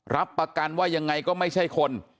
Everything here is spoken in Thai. รับประกันว่ายังไงก็ไม่ใช่คน